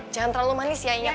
jangan terlalu manis ya iya